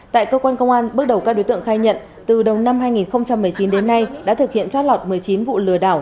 tại cơ quan công an bước đầu các đối tượng khai nhận từ đầu năm hai nghìn một mươi chín đến nay đã thực hiện trót lọt một mươi chín vụ lừa đảo